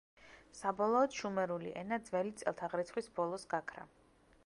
საბოლოოდ შუმერული ენა ძველი წელთაღრიცხვის ბოლოს გაქრა.